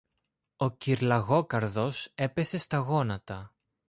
Ο κυρ-Λαγόκαρδος έπεσε στα γόνατα.